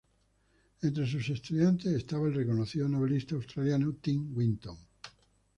Entre sus estudiantes estaba el reconocido novelista australiano Tim Winton.